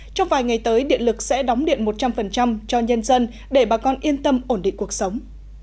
trong vài ngày tới điện lực sẽ đóng điện một trăm linh cho nhân dân để bà con yên tâm ổn định cuộc sống